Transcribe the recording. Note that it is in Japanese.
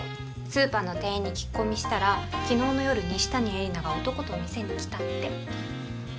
スーパーの店員に聞き込みしたら昨日の夜西谷絵里奈が男と店に来たって。